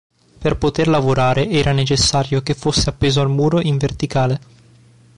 Per poter lavorare era necessario che fosse appeso al muro in verticale.